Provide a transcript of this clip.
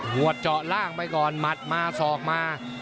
หัวเจาะล่างไปก่อนหมัดมาสอกมา